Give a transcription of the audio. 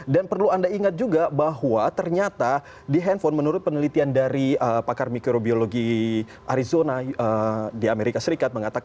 dan perlu anda ingat juga bahwa ternyata di handphone menurut penelitian dari pakar mikrobiologi arizona di amerika serikat